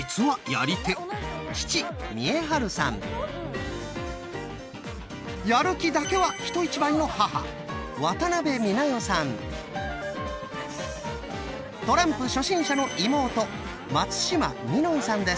父やる気だけは人一倍の母トランプ初心者の妹